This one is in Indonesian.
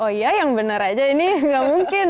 oh iya yang benar aja ini nggak mungkin